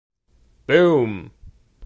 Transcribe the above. Boom.